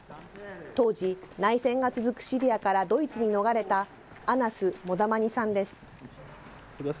当時、内戦が続くシリアからドイツに逃れた、アナス・モダマニさんです。